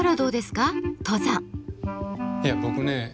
いや僕ね